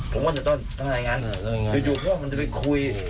ผมก็จะต้องทำอย่างนั้นอยู่พวกมันจะไปคุย